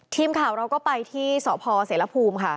ทีมข่าวเราก็ไปที่สพเสรภูมิค่ะ